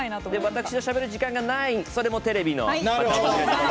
私のしゃべる時間がないそれもテレビの。